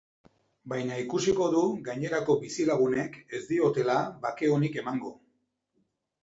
Baina ikusiko du gainerako bizilagunek ez diotela bake onik emango.